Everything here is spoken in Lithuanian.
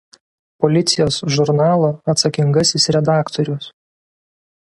Policijos žurnalo atsakingasis redaktorius.